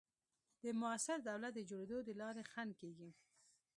د موثر دولت د جوړېدو د لارې خنډ کېږي.